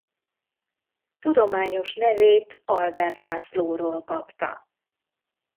Tudományos nevét Albert Lászlóról kapta.